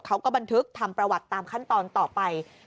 เขาก็บันทึกทำประวัติตามขั้นตอนต่อไป